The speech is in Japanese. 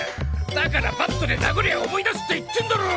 だからバットで殴りゃ思い出すって言ってんだろ！